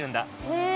へえ！